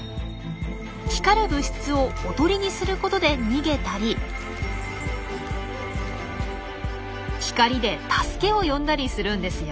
光る物質をおとりにすることで逃げたり光で助けを呼んだりするんですよ。